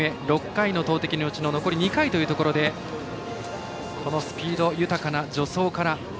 ６回の投てきのうちの残り２回というところでスピード豊かな助走から。